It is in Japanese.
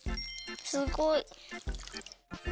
すごい。